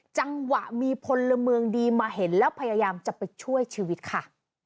จังหวะมีพลเมืองดีมาเห็นแล้วพยายามจะไปช่วยชีวิตค่ะ